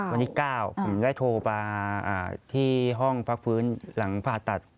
วันที่๙ผมได้โทรมาที่ห้องพักฟื้นหลังผ่าตัด